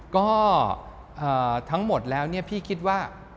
ก็ทั้งหมดแล้วพี่คิดว่า